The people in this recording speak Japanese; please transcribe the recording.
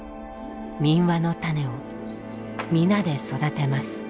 「民話の種」を皆で育てます。